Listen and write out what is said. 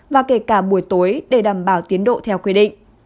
và kể cả buổi tối để đảm bảo tiến độ theo quy định